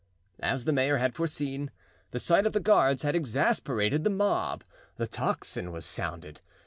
As the mayor had foreseen, the sight of the guards had exasperated the mob. The tocsin was sounded.